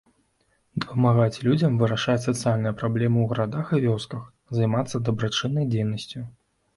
Дапамагаць людзям вырашаць сацыяльныя праблемы ў гарадах і вёсках, займацца дабрачыннай дзейнасцю.